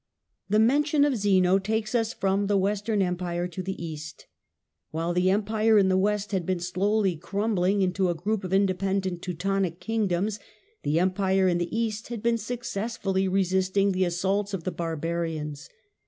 The mention of Zeno takes us from the Western The Em Empire to the east. While the Empire in the west East had been slowly crumbling into a group of independent Teutonic kingdoms, the Empire in the east had been successfully resisting the assaults of the barbarians.